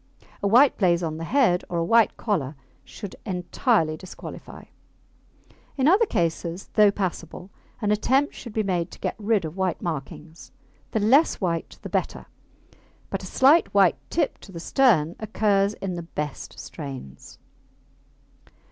A white blaze on the head or a white collar should entirely disqualify. In other cases, though passable, an attempt should be made to get rid of white markings. The less white the better, but a slight white tip to the stern occurs in the best strains.